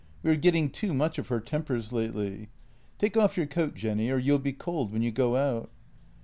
We %/\/ are getting too much of her tempers lately. T ake ▼ Y off your coat, Jenny, or you'll be cold when you go out."